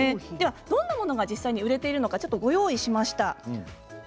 どんなものが実際に売れてるのかご用意しました。